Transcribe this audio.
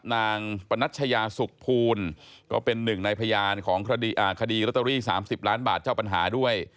นางปนัชยาสุขภูลก็เป็นหนึ่งในพยานของคดีลอตเตอรี่๓๐ล้านบาทเจ้าปัญหาด้วย